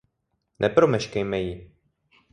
Nepromeškejme ji.